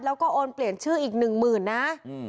แล้วก็โอนเปลี่ยนชื่ออีก๑๐๐๐บาท